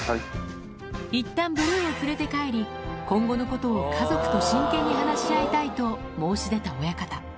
いったんブルーを連れて帰り、今後のことを家族と真剣に話し合いたいと申し出た親方。